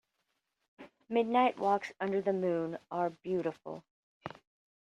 Midnight walks under the moon are beautiful.